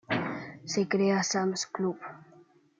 Se crea Sam's Club.